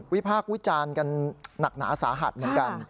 พากษ์วิจารณ์กันหนักหนาสาหัสเหมือนกัน